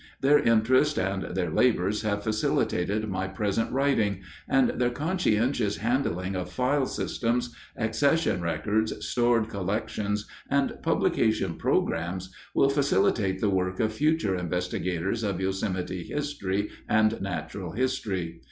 Their interest and their labors have facilitated my present writing, and their conscientious handling of file systems, accession records, stored collections, and publication programs will facilitate the work of future investigators of Yosemite history and natural history.